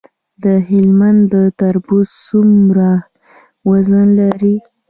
د هلمند تربوز څومره وزن لري؟